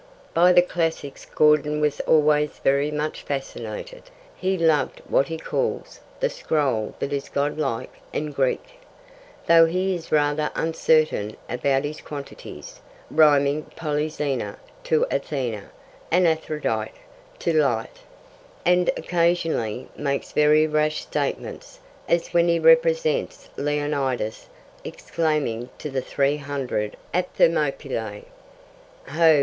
By the classics Gordon was always very much fascinated. He loved what he calls 'the scroll that is godlike and Greek,' though he is rather uncertain about his quantities, rhyming 'Polyxena' to 'Athena' and 'Aphrodite' to 'light,' and occasionally makes very rash statements, as when he represents Leonidas exclaiming to the three hundred at Thermopylae: 'Ho!